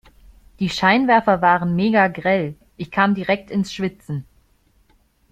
Die Scheinwerfer waren megagrell. Ich kam direkt ins Schwitzen.